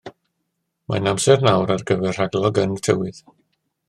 Mae'n amser nawr ar gyfer rhagolygon y tywydd.